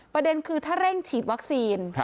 ประเด็นคือถ้าเร่งฉีดวัคซีน